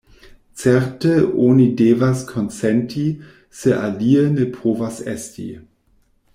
Certe oni devas konsenti, se alie ne povas esti.